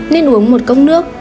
nên uống một cốc nước